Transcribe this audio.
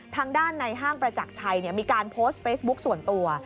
ทางด้านในห้างประจักรชัยมีการโพสต์เฟซบุ๊คส่วนตัว